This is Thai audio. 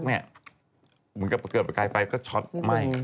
เหมือนกับเกิดประกายไฟก็ช็อตไหม้